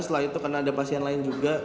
setelah itu karena ada pasien lain juga